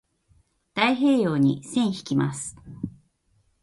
太平洋に線引きます。